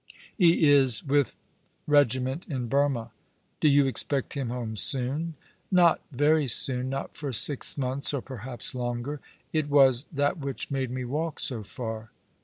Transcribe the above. " He is with his regiment in Burmah." " Do you expect him home soon ?"Not very soon ; not for six months, or perhaps longer. It was that which made me walk so far."